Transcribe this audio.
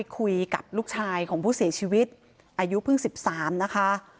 คุยกับลูกชายของผู้เสียชีวิตอายุเพิ่ง๑๓นะคะ